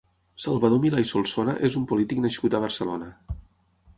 Salvador Milà i Solsona és un polític nascut a Barcelona.